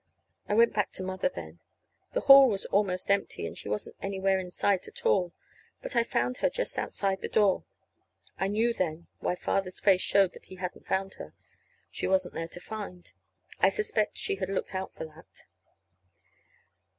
I went back to Mother then. The hall was almost empty, and she wasn't anywhere in sight at all; but I found her just outside the door. I knew then why Father's face showed that he hadn't found her. She wasn't there to find. I suspect she had looked out for that.